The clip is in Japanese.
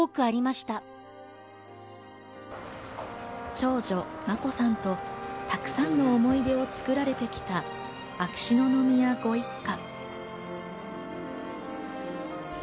長女・眞子さんとたくさんの思い出を作られてきた秋篠宮ご一家。